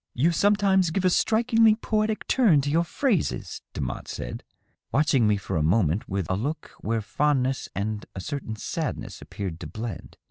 "You sometimes give a strikingly poetic turn to your phrases," Demotte said, watching me for a moment with a look where fondness and a certain sadness appeared to blend.